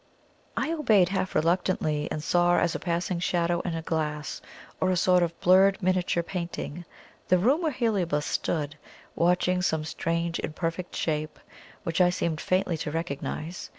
I obeyed, half reluctantly, and saw as a passing shadow in a glass, or a sort of blurred miniature painting, the room where Heliobas stood, watching some strange imperfect shape, which I seemed faintly to recognise.